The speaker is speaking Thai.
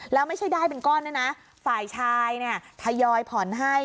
แล้วไม่ใช่ได้เป็นก้อนด้วยนะฝ่ายชายเนี่ยทยอยผ่อนให้